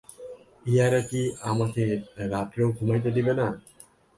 ইহারা কি আমাকে রাত্রেও ঘুমাইতে দিবে না!